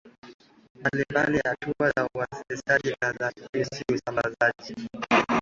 mbali mbali hatua za uzalishaji na njia za usambazaji